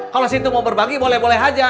kalau situ mau berbagi boleh boleh aja